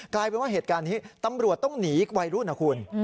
กลายเป็นว่าเหตุการณ์นี้ตำรวจต้องหนีวัยรุ่นนะคุณ